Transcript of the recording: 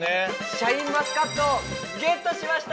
シャインマスカットゲットしました